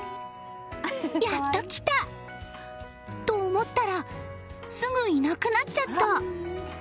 やっと来た！と思ったらすぐいなくなっちゃった。